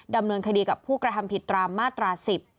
ดำเนินคดีกับผู้กระทำผิดตามมาตรา๑๐